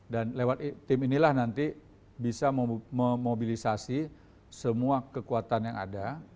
dan lewat tim inilah nanti bisa memobilisasi semua kekuatan yang ada